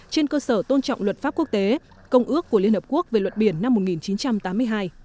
trên cơ sở tôn trọng luật pháp quốc tế công ước của liên hợp quốc về luật biển năm một nghìn chín trăm tám mươi hai